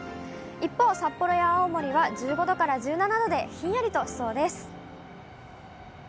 一方、札幌や青森は１５度から１７度で、ひんやりとしそうです。